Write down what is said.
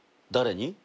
誰に？